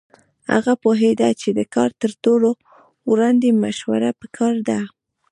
هغه پوهېده چې د کار تر کولو وړاندې مشوره پکار ده.